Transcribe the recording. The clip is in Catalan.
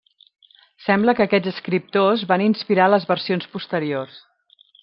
Sembla que aquests escriptors van inspirar les versions posteriors.